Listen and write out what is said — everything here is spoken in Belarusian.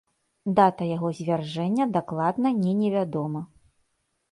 Дата яго звяржэння дакладна не невядома.